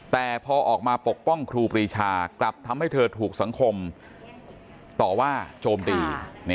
แต่พอออกมาปกป้องครูปรีชากลับทำให้เธอถูกสังคมต่อว่าโจมตี